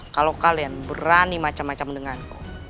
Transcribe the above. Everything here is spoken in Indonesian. kalau kalian berani macam macam denganku